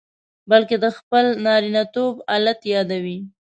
بلکې د خپل نارینتوب آلت یادوي.